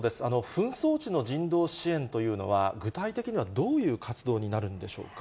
紛争地の人道支援というのは、具体的にはどういう活動になるんでしょうか。